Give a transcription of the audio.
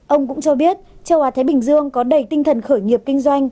ông cũng cho biết châu á thái bình dương có đầy tinh thần khởi nghiệp kinh doanh